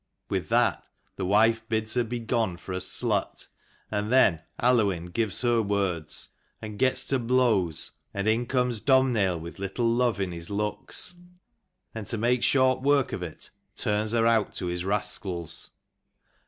With that the wife bids her begone for a slut ; and then Aluinn gives her words, and gets to blows : when in comes Domhnaill with little love in his looks, and to make short work of it, turns her out to his rascals.